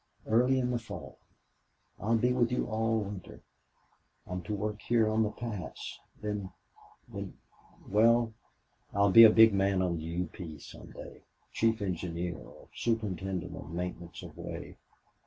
Early in the fall. I'll be with you all winter. I'm to work here on the pass.... Then then Well, I'll be a big man on the U. P. some day. Chief engineer or superintendent of maintenance of way....